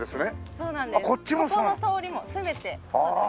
ここの通りも全てはい。